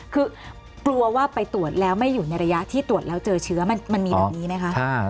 คือกลัวว่าไปตรวจแล้วไม่อยู่ในระยะที่ตรวจแล้วเจอเชื้อมันมีแบบนี้ไหมคะ